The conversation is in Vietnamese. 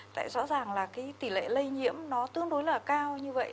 tại rõ ràng là cái tỷ lệ lây nhiễm nó tương đối là cao như vậy